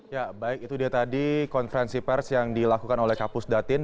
ya baik itu dia tadi konferensi pers yang dilakukan oleh kapus datin